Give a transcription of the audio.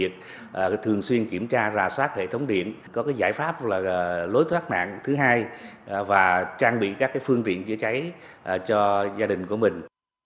thường xuyên kiểm tra rà soát hệ thống điện có giải pháp là lối thoát nạn thứ hai và trang bị các phương tiện chữa cháy cho gia đình của mình